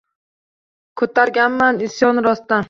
Ko’targanman isyon rostdan